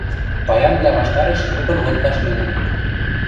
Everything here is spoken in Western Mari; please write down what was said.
Паянвлӓ ваштареш юкын лыкташ лӱдӹнӹт.